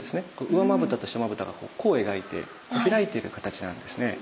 上まぶたと下まぶたが弧を描いて開いている形なんですね。